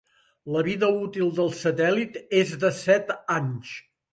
La vida útil del satèl·lit és de set anys.